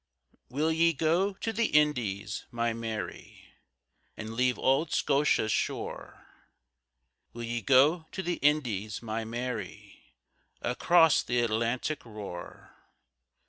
WILL ye go to the Indies, my Mary, And leave auld Scotia's shore? Will ye go to the Indies, my Mary, Across th' Atlantic roar?